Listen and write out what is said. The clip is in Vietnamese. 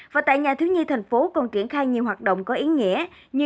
và tại nhà thiếu nhi thành phố còn triển khai nhiều hoạt động có ý nghĩa như